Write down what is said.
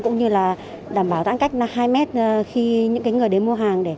cũng như là đảm bảo giãn cách hai mét khi những người đến mua hàng để